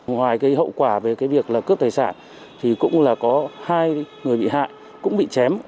ngoài cái hậu quả về cái việc là cướp tài sản thì cũng là có hai người bị hại cũng bị chém